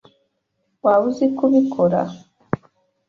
Waba uzi kubikora?